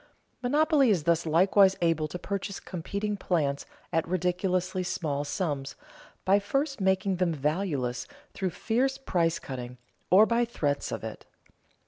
Monopoly is thus likewise able to purchase competing plants at ridiculously small sums, by first making them valueless through fierce price cutting, or by threats of it.